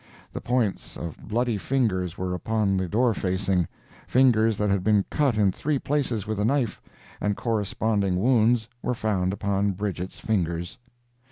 The points of bloody fingers were upon the door facing—fingers that had been cut in three places with a knife, and corresponding wounds were found upon Bridget's fingers.